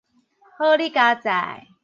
好 lih 佳哉